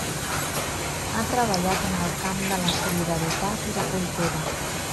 Ha treballat en el camp de la solidaritat i la cultura.